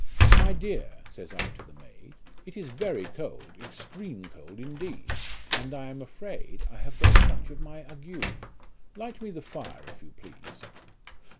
My dear, says I to the maid, it is very cold, extreme cold indeed, and I am afraid I have got a touch of my ague ; light me the fire, if you please.